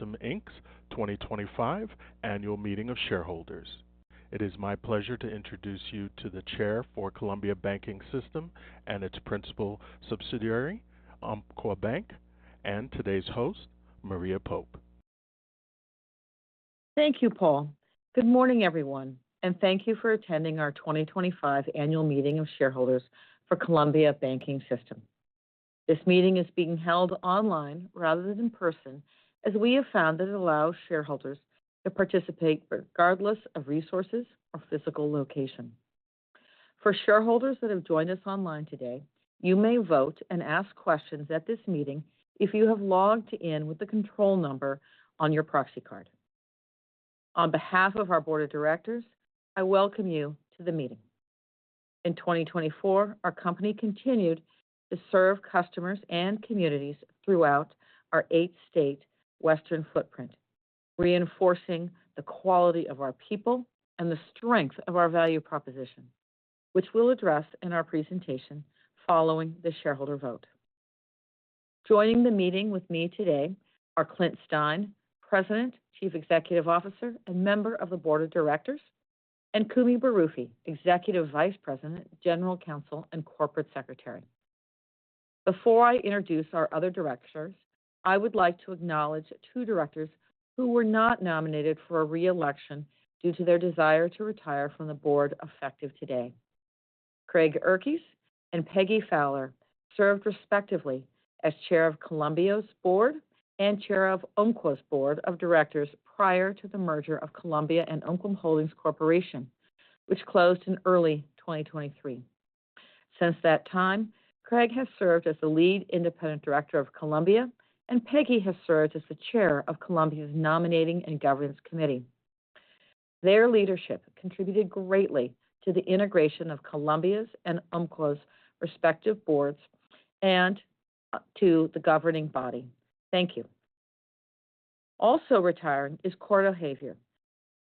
System's 2025 Annual Meeting of Shareholders. It is my pleasure to introduce you to the Chair for Columbia Banking System and its principal subsidiary, Umpqua Bank, and today's host, Maria Pope. Thank you, Paul. Good morning, everyone, and thank you for attending our 2025 Annual Meeting of Shareholders for Columbia Banking System. This meeting is being held online rather than in person, as we have found that it allows shareholders to participate regardless of resources or physical location. For shareholders that have joined us online today, you may vote and ask questions at this meeting if you have logged in with the control number on your proxy card. On behalf of our Board of Directors, I welcome you to the meeting. In 2024, our company continued to serve customers and communities throughout our eight-state western footprint, reinforcing the quality of our people and the strength of our value proposition, which we'll address in our presentation following the shareholder vote. Joining the meeting with me today are Clint Stein, President, Chief Executive Officer, and member of the Board of Directors, and Kumi Barufi, Executive Vice President, General Counsel, and Corporate Secretary. Before I introduce our other directors, I would like to acknowledge two directors who were not nominated for a reelection due to their desire to retire from the board effective today. Craig Urquhart and Peggy Fowler served respectively as Chair of Columbia's board and Chair of Umpqua's Board of Directors prior to the merger of Columbia and Umpqua Holdings Corporation, which closed in early 2023. Since that time, Craig has served as the lead independent director of Columbia, and Peggy has served as the Chair of Columbia's Nominating and Governance Committee. Their leadership contributed greatly to the integration of Columbia's and Umpqua's respective boards and to the governing body. Thank you. Also retiring is Cort O'Haver,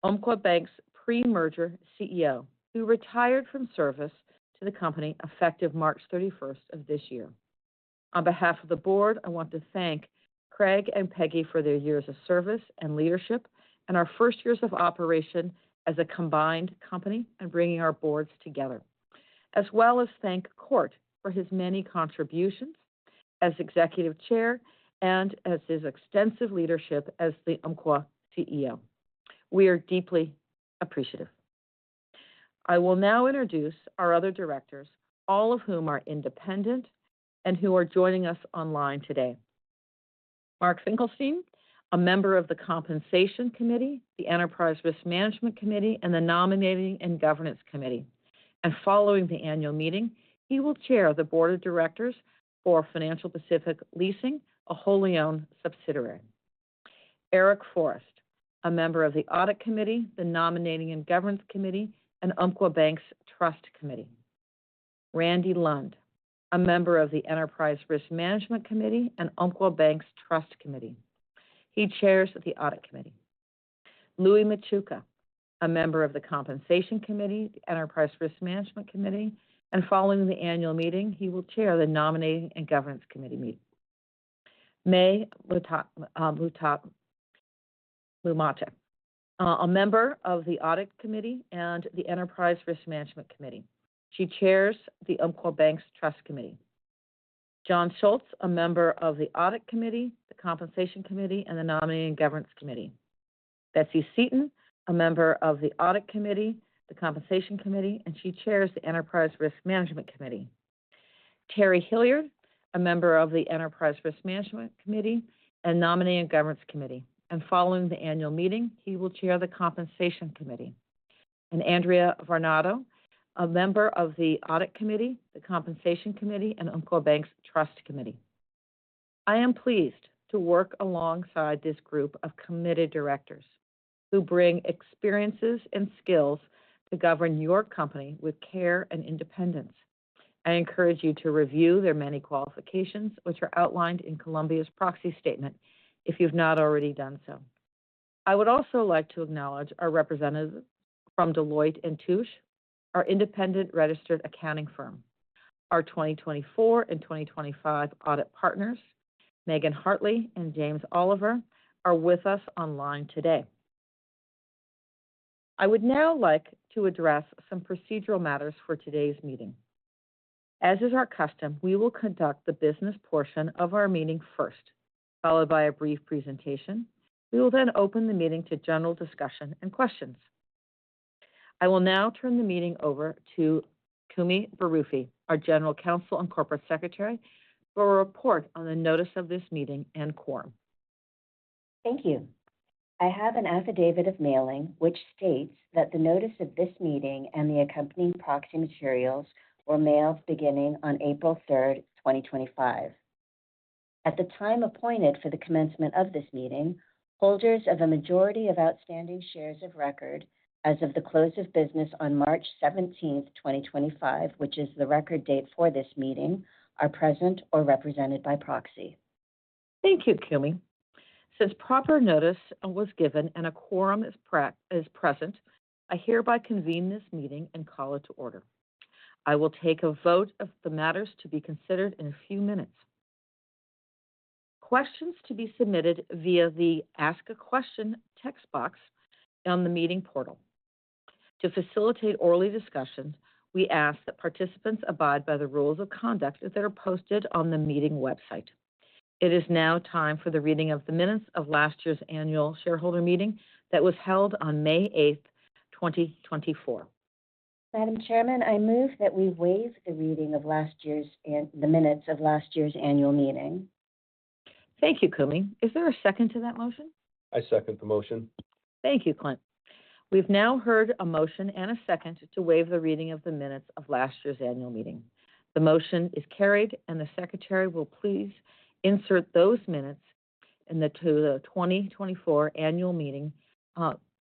Umpqua Bank's pre-merger CEO, who retired from service to the company effective March 31 of this year. On behalf of the board, I want to thank Craig and Peggy for their years of service and leadership and our first years of operation as a combined company and bringing our boards together, as well as thank Cort for his many contributions as Executive Chair and his extensive leadership as the Umpqua CEO. We are deeply appreciative. I will now introduce our other directors, all of whom are independent and who are joining us online today. Mark Finkelstein, a member of the Compensation Committee, the Enterprise Risk Management Committee, and the Nominating and Governance Committee. Following the annual meeting, he will chair the Board of Directors for Financial Pacific Leasing, a wholly-owned subsidiary. Eric Forest, a member of the Audit Committee, the Nominating and Governance Committee, and Umpqua Bank's Trust Committee. Randy Lund, a member of the Enterprise Risk Management Committee and Umpqua Bank's Trust Committee. He chairs the Audit Committee. Louis Machuca, a member of the Compensation Committee, the Enterprise Risk Management Committee, and following the annual meeting, he will chair the Nominating and Governance Committee meeting. Mae Numata, a member of the Audit Committee and the Enterprise Risk Management Committee. She chairs the Umpqua Bank's Trust Committee. John Schultz, a member of the Audit Committee, the Compensation Committee, and the Nominating and Governance Committee. Betsy Seaton, a member of the Audit Committee, the Compensation Committee, and she chairs the Enterprise Risk Management Committee. Terry Hilliard, a member of the Enterprise Risk Management Committee and Nominating and Governance Committee. Following the annual meeting, he will chair the Compensation Committee. Andrea Varnado, a member of the Audit Committee, the Compensation Committee, and Umpqua Bank's Trust Committee. I am pleased to work alongside this group of committed directors who bring experiences and skills to govern your company with care and independence. I encourage you to review their many qualifications, which are outlined in Columbia's proxy statement if you've not already done so. I would also like to acknowledge our representatives from Deloitte & Touche, our independent registered accounting firm. Our 2024 and 2025 audit partners, Megan Hartley and James Oliver, are with us online today. I would now like to address some procedural matters for today's meeting. As is our custom, we will conduct the business portion of our meeting first, followed by a brief presentation. We will then open the meeting to general discussion and questions. I will now turn the meeting over to Kumi Barufi, our General Counsel and Corporate Secretary, for a report on the notice of this meeting and quorum. Thank you. I have an affidavit of mailing which states that the notice of this meeting and the accompanying proxy materials were mailed beginning on April 3, 2025. At the time appointed for the commencement of this meeting, holders of a majority of outstanding shares of record as of the close of business on March 17, 2025, which is the record date for this meeting, are present or represented by proxy. Thank you, Kumi. Since proper notice was given and a quorum is present, I hereby convene this meeting and call it to order. I will take a vote of the matters to be considered in a few minutes. Questions to be submitted via the Ask a Question text box on the meeting portal. To facilitate oral discussions, we ask that participants abide by the rules of conduct that are posted on the meeting website. It is now time for the reading of the minutes of last year's annual shareholder meeting that was held on May 8, 2024. Madam Chairman, I move that we waive the reading of last year's and the minutes of last year's annual meeting. Thank you, Kumi. Is there a second to that motion? I second the motion. Thank you, Clint. We've now heard a motion and a second to waive the reading of the minutes of last year's annual meeting. The motion is carried, and the Secretary will please insert those minutes in the 2024 annual meeting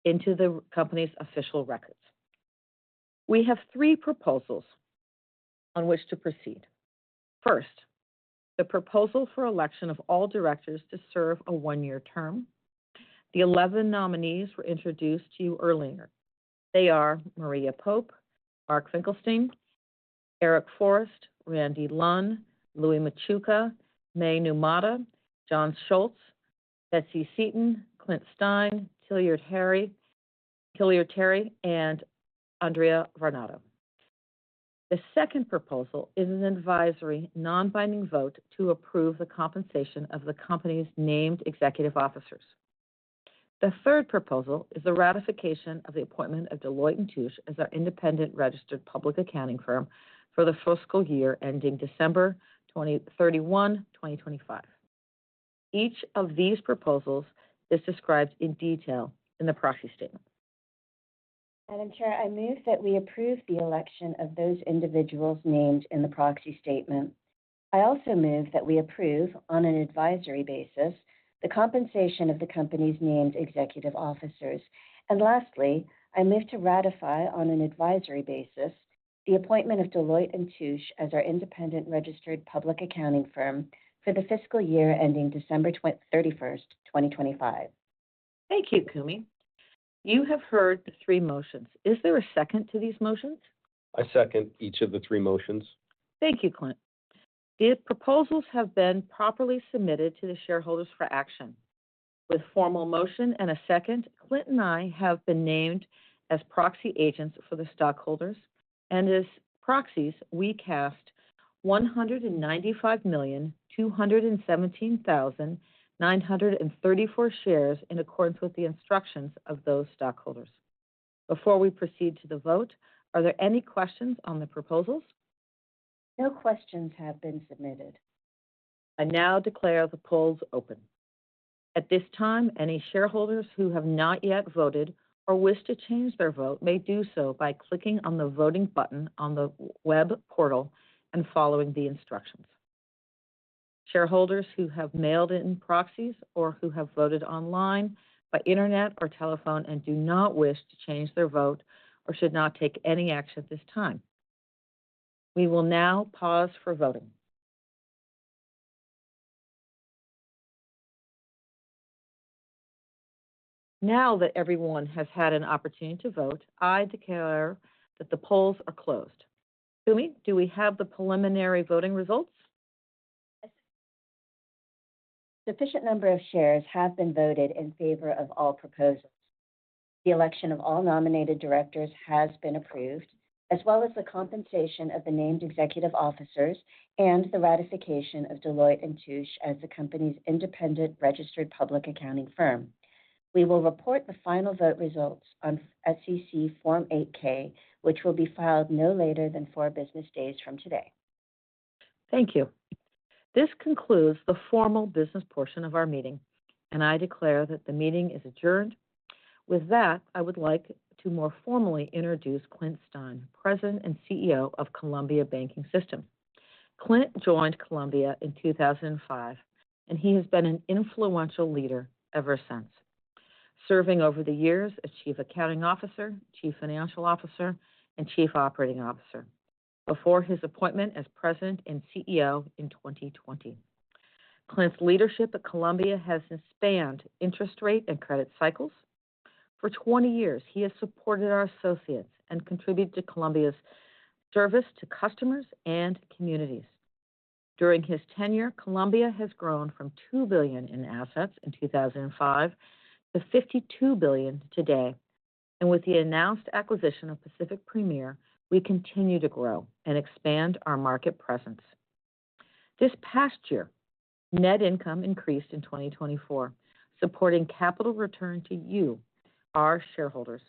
into the company's official records. We have three proposals on which to proceed. First, the proposal for election of all directors to serve a one-year term. The 11 nominees were introduced to you earlier. They are Maria Pope, Mark Finkelstein, Eric Forest, Randy Lund, Louis Machuca, Mae Numata, John Schultz, Betsy Seaton, Clint Stein, Terry Hilliard, and Andrea Varnado. The second proposal is an advisory non-binding vote to approve the compensation of the company's named executive officers. The third proposal is the ratification of the appointment of Deloitte & Touche as our independent registered public accounting firm for the fiscal year ending December 31, 2025. Each of these proposals is described in detail in the proxy statement. Madam Chair, I move that we approve the election of those individuals named in the proxy statement. I also move that we approve on an advisory basis the compensation of the company's named executive officers. Lastly, I move to ratify on an advisory basis the appointment of Deloitte & Touche as our independent registered public accounting firm for the fiscal year ending December 31, 2025. Thank you, Kumi. You have heard the three motions. Is there a second to these motions? I second each of the three motions. Thank you, Clint. The proposals have been properly submitted to the shareholders for action. With formal motion and a second, Clint and I have been named as proxy agents for the stockholders, and as proxies, we cast 195,217,934 shares in accordance with the instructions of those stockholders. Before we proceed to the vote, are there any questions on the proposals? No questions have been submitted. I now declare the polls open. At this time, any shareholders who have not yet voted or wish to change their vote may do so by clicking on the voting button on the web portal and following the instructions. Shareholders who have mailed in proxies or who have voted online by internet or telephone and do not wish to change their vote should not take any action at this time. We will now pause for voting. Now that everyone has had an opportunity to vote, I declare that the polls are closed. Kumi, do we have the preliminary voting results? Yes. Sufficient number of shares have been voted in favor of all proposals. The election of all nominated directors has been approved, as well as the compensation of the named executive officers and the ratification of Deloitte & Touche as the company's independent registered public accounting firm. We will report the final vote results on SEC Form 8K, which will be filed no later than four business days from today. Thank you. This concludes the formal business portion of our meeting, and I declare that the meeting is adjourned. With that, I would like to more formally introduce Clint Stein, President and CEO of Columbia Banking System. Clint joined Columbia in 2005, and he has been an influential leader ever since, serving over the years as Chief Accounting Officer, Chief Financial Officer, and Chief Operating Officer before his appointment as President and CEO in 2020. Clint's leadership at Columbia has spanned interest rate and credit cycles. For 20 years, he has supported our associates and contributed to Columbia's service to customers and communities. During his tenure, Columbia has grown from $2 billion in assets in 2005 to $52 billion today, and with the announced acquisition of Pacific Premier Bancorp, we continue to grow and expand our market presence. This past year, net income increased in 2024, supporting capital return to you, our shareholders,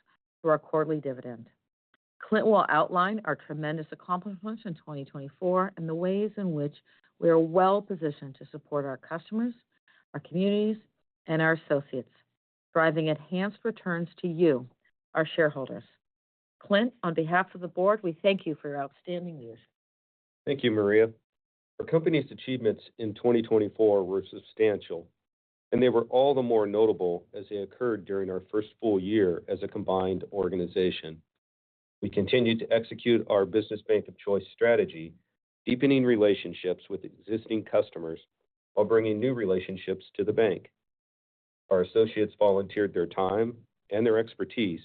through our quarterly dividend. Clint will outline our tremendous accomplishments in 2024 and the ways in which we are well-positioned to support our customers, our communities, and our associates, driving enhanced returns to you, our shareholders. Clint, on behalf of the board, we thank you for your outstanding years. Thank you, Maria. Our company's achievements in 2024 were substantial, and they were all the more notable as they occurred during our first full year as a combined organization. We continue to execute our business bank of choice strategy, deepening relationships with existing customers while bringing new relationships to the bank. Our associates volunteered their time and their expertise,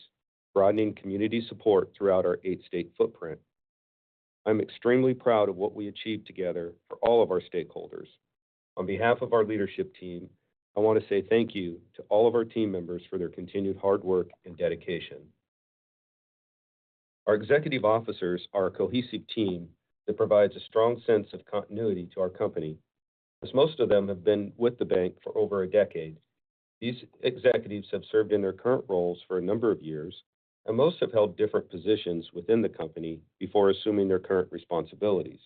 broadening community support throughout our eight-state footprint. I'm extremely proud of what we achieved together for all of our stakeholders. On behalf of our leadership team, I want to say thank you to all of our team members for their continued hard work and dedication. Our executive officers are a cohesive team that provides a strong sense of continuity to our company. Most of them have been with the bank for over a decade. These executives have served in their current roles for a number of years, and most have held different positions within the company before assuming their current responsibilities.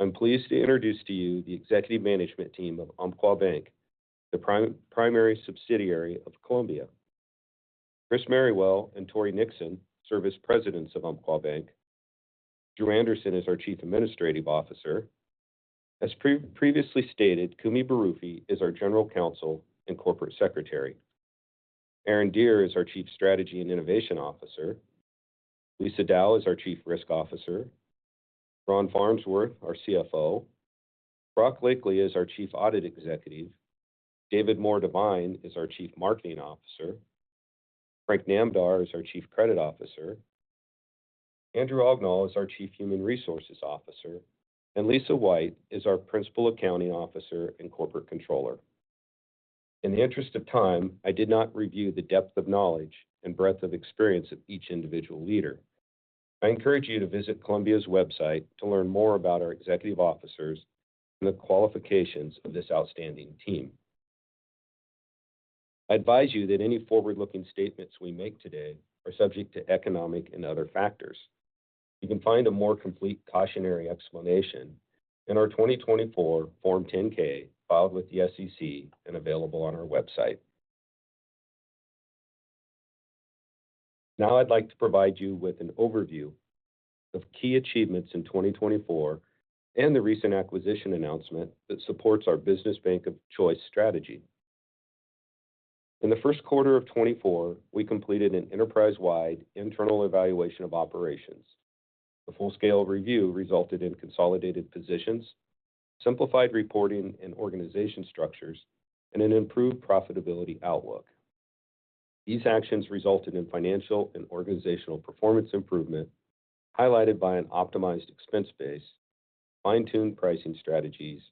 I'm pleased to introduce to you the executive management team of Umpqua Bank, the primary subsidiary of Columbia. Chris Merrywell and Tory Nixon serve as presidents of Umpqua Bank. Drew Anderson is our Chief Administrative Officer. As previously stated, Kumi Barufi is our General Counsel and Corporate Secretary. Aaron Deere is our Chief Strategy and Innovation Officer. Lisa Dow is our Chief Risk Officer. Ron Farnsworth, our CFO. Brock Lakely is our Chief Audit Executive. David Moore Devine is our Chief Marketing Officer. Frank Namdar is our Chief Credit Officer. Andrew Ognall is our Chief Human Resources Officer. Lisa White is our Principal Accounting Officer and Corporate Controller. In the interest of time, I did not review the depth of knowledge and breadth of experience of each individual leader. I encourage you to visit Columbia's website to learn more about our executive officers and the qualifications of this outstanding team. I advise you that any forward-looking statements we make today are subject to economic and other factors. You can find a more complete cautionary explanation in our 2024 Form 10K filed with the SEC and available on our website. Now I would like to provide you with an overview of key achievements in 2024 and the recent acquisition announcement that supports our business bank of choice strategy. In the first quarter of 24, we completed an enterprise-wide internal evaluation of operations. The full-scale review resulted in consolidated positions, simplified reporting and organization structures, and an improved profitability outlook. These actions resulted in financial and organizational performance improvement highlighted by an optimized expense base, fine-tuned pricing strategies,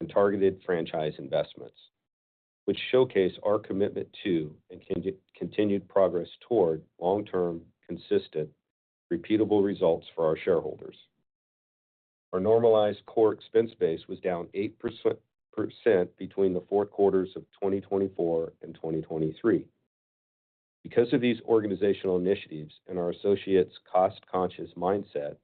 and targeted franchise investments, which showcase our commitment to and continued progress toward long-term, consistent, repeatable results for our shareholders. Our normalized core expense base was down 8% between the four quarters of 2024 and 2023. Because of these organizational initiatives and our associates' cost-conscious mindset,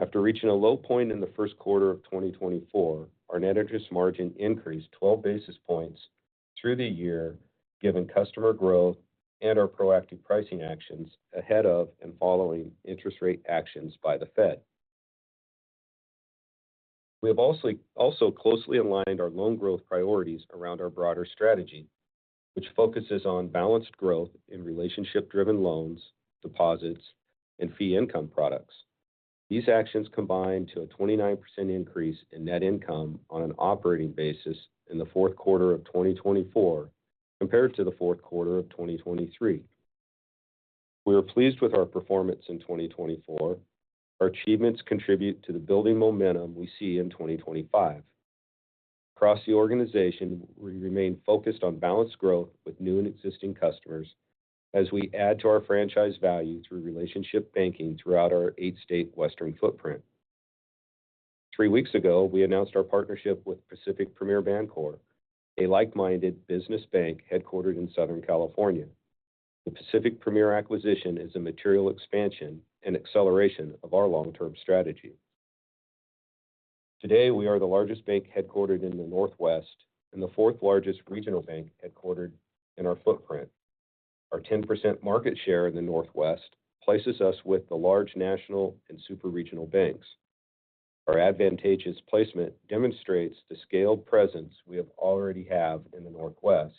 after reaching a low point in the first quarter of 2024, our net interest margin increased 12 basis points through the year, given customer growth and our proactive pricing actions ahead of and following interest rate actions by the Fed. We have also closely aligned our loan growth priorities around our broader strategy, which focuses on balanced growth in relationship-driven loans, deposits, and fee-income products. These actions combined to a 29% increase in net income on an operating basis in the fourth quarter of 2024 compared to the fourth quarter of 2023. We are pleased with our performance in 2024. Our achievements contribute to the building momentum we see in 2025. Across the organization, we remain focused on balanced growth with new and existing customers as we add to our franchise value through relationship banking throughout our eight-state western footprint. Three weeks ago, we announced our partnership with Pacific Premier Bancorp, a like-minded business bank headquartered in Southern California. The Pacific Premier acquisition is a material expansion and acceleration of our long-term strategy. Today, we are the largest bank headquartered in the Northwest and the fourth largest regional bank headquartered in our footprint. Our 10% market share in the Northwest places us with the large national and superregional banks. Our advantageous placement demonstrates the scaled presence we already have in the Northwest,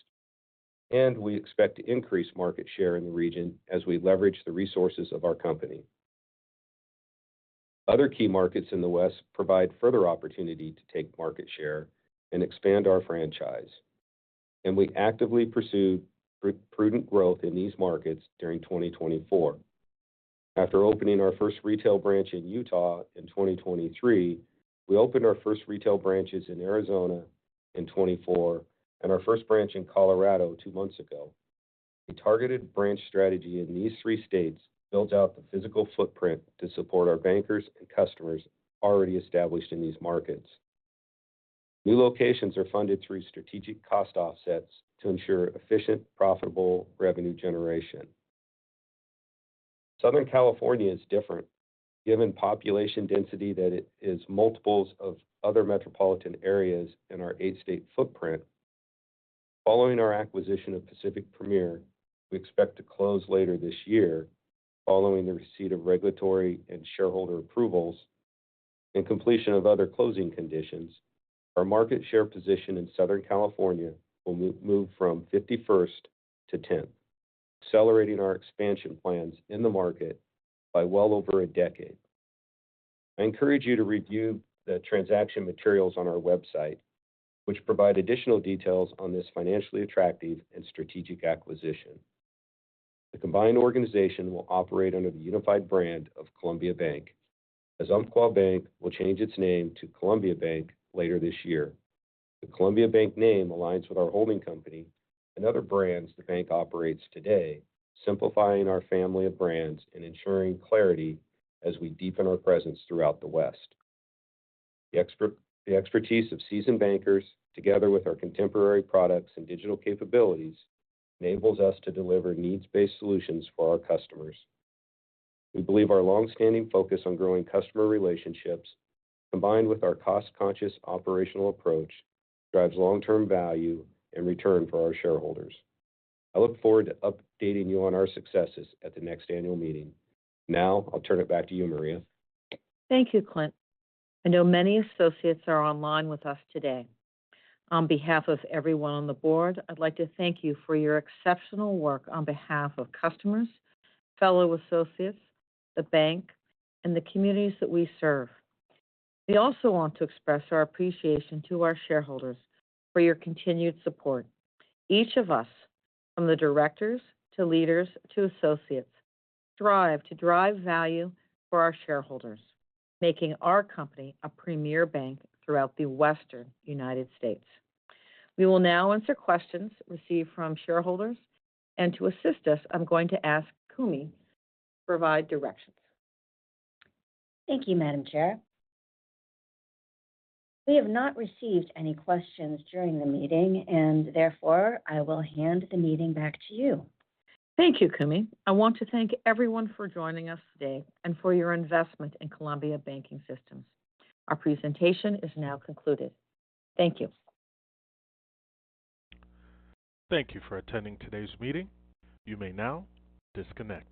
and we expect to increase market share in the region as we leverage the resources of our company. Other key markets in the West provide further opportunity to take market share and expand our franchise, and we actively pursue prudent growth in these markets during 2024. After opening our first retail branch in Utah in 2023, we opened our first retail branches in Arizona in 24 and our first branch in Colorado two months ago. A targeted branch strategy in these three states builds out the physical footprint to support our bankers and customers already established in these markets. New locations are funded through strategic cost offsets to ensure efficient, profitable revenue generation. Southern California is different. Given population density that is multiples of other metropolitan areas in our eight-state footprint, following our acquisition of Pacific Premier, we expect to close later this year following the receipt of regulatory and shareholder approvals and completion of other closing conditions. Our market share position in Southern California will move from 51st to 10th, accelerating our expansion plans in the market by well over a decade. I encourage you to review the transaction materials on our website, which provide additional details on this financially attractive and strategic acquisition. The combined organization will operate under the unified brand of Columbia Bank, as Umpqua Bank will change its name to Columbia Bank later this year. The Columbia Bank name aligns with our holding company and other brands the bank operates today, simplifying our family of brands and ensuring clarity as we deepen our presence throughout the West. The expertise of seasoned bankers, together with our contemporary products and digital capabilities, enables us to deliver needs-based solutions for our customers. We believe our long-standing focus on growing customer relationships, combined with our cost-conscious operational approach, drives long-term value and return for our shareholders. I look forward to updating you on our successes at the next annual meeting. Now, I'll turn it back to you, Maria. Thank you, Clint. I know many associates are online with us today. On behalf of everyone on the board, I'd like to thank you for your exceptional work on behalf of customers, fellow associates, the bank, and the communities that we serve. We also want to express our appreciation to our shareholders for your continued support. Each of us, from the directors to leaders to associates, strive to drive value for our shareholders, making our company a premier bank throughout the western United States. We will now answer questions received from shareholders, and to assist us, I'm going to ask Kumi to provide directions. Thank you, Madam Chair. We have not received any questions during the meeting, and therefore, I will hand the meeting back to you. Thank you, Kumi. I want to thank everyone for joining us today and for your investment in Columbia Banking System. Our presentation is now concluded. Thank you. Thank you for attending today's meeting. You may now disconnect.